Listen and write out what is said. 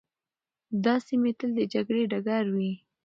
دا سیمي تل د جګړې ډګر وې.